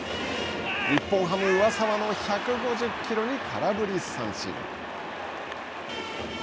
日本ハム、上沢の１５０キロに空振り三振。